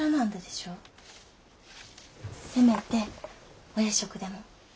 せめてお夜食でも。